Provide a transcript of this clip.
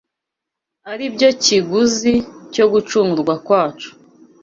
ari byo kiguzi cyo gucungurwa kwacu